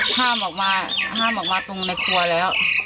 ห้ามออกมาห้ามออกมาตรงในครัวแล้ว